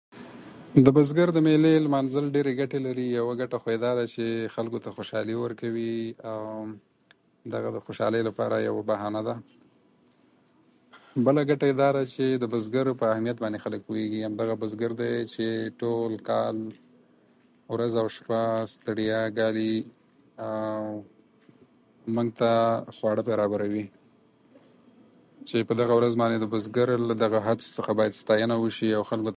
د بزګر د میلې لمانځل ډېرې ګټې لري، یوه ګټه خو یې دا ده چې خلکو ته خوشالي ورکوي او دغه د خوشالۍ لپاره یوه بهانه ده. بله ګټه یې دا ده چې د بزګر په اهمیت باندې خلک پوهېږي، یعنې دغه بزګر دی چې ټول کال ورځ او شپه ستړیا ګالي او موږ ته خواړه برابروي، چې په دغه ورځ د بزګر له دغه هڅو څخه باید ستاینه وشي او خلک